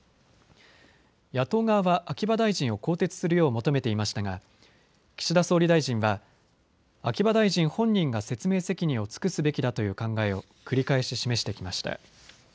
野党側は秋葉大臣を更迭するよう求めていましたが岸田総理大臣は秋葉大臣本人が説明責任を尽くすべきだという考えを繰り返し示してきました。